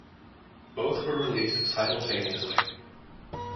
Both were released simultaneously.